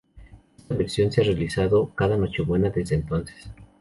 Esta versión se ha realizado cada Nochebuena desde entonces.